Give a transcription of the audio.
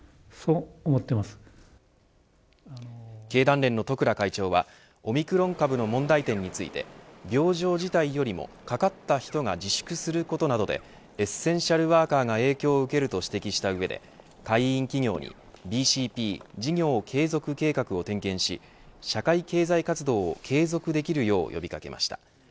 経団連の十倉会長はオミクロン株の問題点について病状自体よりもかかった人が自粛することなどでエッセンシャルワーカーが影響を受けると指摘した上で会員企業にＢＣＰ事業継続計画を点検し社会経済活動を継続できるよう呼び掛けました。